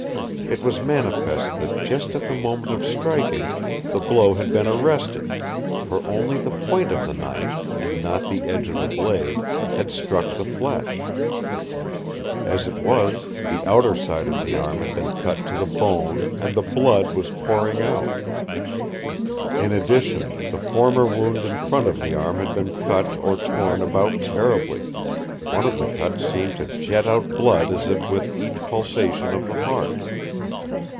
It was manifest that just at the moment of striking, the blow had been arrested, for only the point of the knife and not the edge of the blade had struck the flesh. As it was, the outer side of the arm had been cut to the bone and the blood was pouring out. In addition, the former wound in front of the arm had been cut or torn about terribly, one of the cuts seemed to jet out blood as if with each pulsation of the heart.